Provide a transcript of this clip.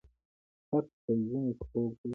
خرس په ژمي کې خوب کوي